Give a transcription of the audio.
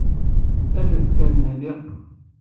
Af-d kan Mhenni.